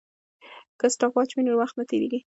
که سټاپ واچ وي نو وخت نه تېریږي.